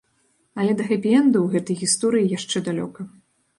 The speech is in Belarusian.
Але да хэпі-энда у гэтай гісторыі яшчэ далёка.